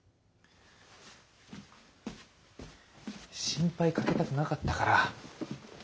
心配かけたくなかったから。